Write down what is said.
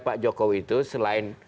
pak jokowi itu selain